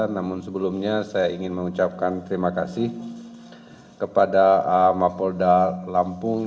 namun sebelumnya saya ingin mengucapkan terima kasih kepada mapolda lampung